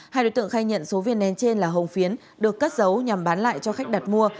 hai đối tượng khai nhận số viên nén trên là hồng phiến được cất giấu nhằm bán lại cho khách đặt mua